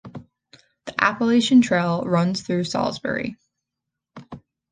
The Appalachian Trail runs through Salisbury.